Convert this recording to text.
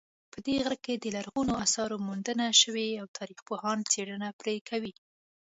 په دې غره کې د لرغونو آثارو موندنه شوې او تاریخپوهان څېړنه پرې کوي